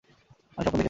আমি স্বপ্ন দেখেছি।